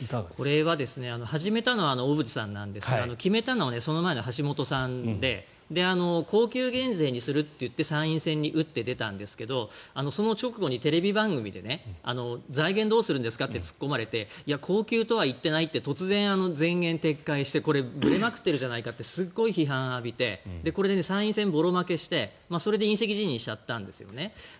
これは始めたのは小渕さんなんですが決めたのはその前の橋本さんで恒久減税にするといって参院選に打って出たんですがその直後にテレビ番組で財源どうするんですかと突っ込まれて恒久とは言っていないって突然、前言撤回してこれぶれまくってるじゃないかってすごい批判を浴びてこれで参院選ぼろ負けしてそれで引責辞任しちゃったんですね。